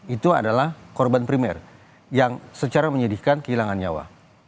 itu adalah korban primer yang secara menyedihkan kehilangan nyawa